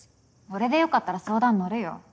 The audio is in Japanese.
俺でよかったら相談乗るよ。